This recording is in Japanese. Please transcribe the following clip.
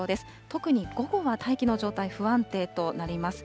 特に午後は、大気の状態、不安定となります。